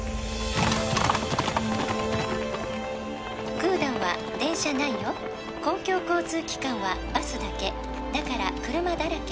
「クーダンは電車ないよ」「公共交通機関はバスだけ」「だから車だらけ」